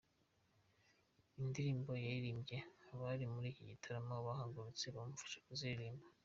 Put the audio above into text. indirimbo yaririmbye abari muri iki gitaramo bahagurutse bamufasha kuziririmba.